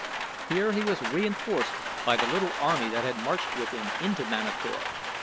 Here he was reinforced by the little army that had marched with him into Manator.